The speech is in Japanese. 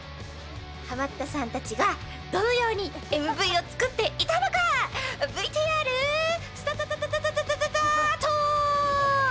ハマったさんたちがどのようにＭＶを作っていたのかＶＴＲスタタタタタタート！